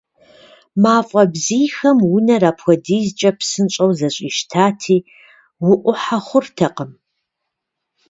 Мафӏэ бзийхэм унэр апхуэдизкӏэ псынщӏэу зэщӏищтати, уӏухьэ хъуртэкъым.